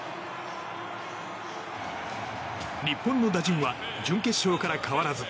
日本の打順は準決勝から変わらず。